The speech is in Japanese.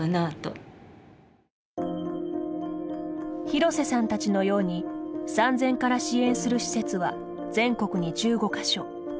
廣瀬さんたちのように産前から支援する施設は全国に１５か所。